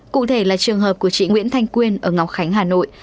cụ thể là trường hợp của chị nguyễn thanh quyên ở ngọc khánh hà nội